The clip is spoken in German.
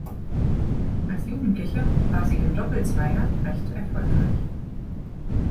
Als Jugendliche war sie im Doppelzweier recht erfolgreich.